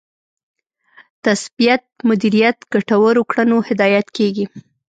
تثبیت مدیریت ګټورو کړنو هدایت کېږي.